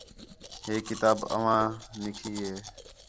ہِے کتاب آواں نکھی ہِے